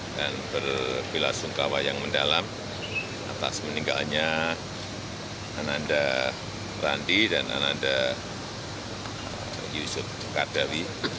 dan berbela sungkawa yang mendalam atas meninggalnya ananda randi dan ananda yusuf kardawi